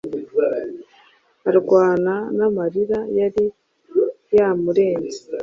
arwana n'amarira yari yamurenze